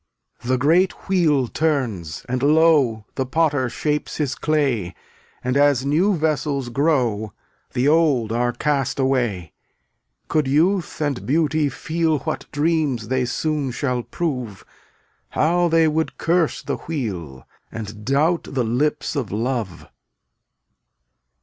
The great wheel turns, and lo! (^flt/lt* The Potter shapes his clay. And as new vessels grow, v£^' The old are cast away. ftUYkfi' Could youth and beauty feel 3 What dreams they soon shall prove. How they would curse the Wheel And doubt the lips of Love.